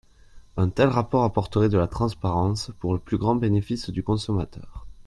Un tel rapport apporterait de la transparence, pour le plus grand bénéfice du consommateur.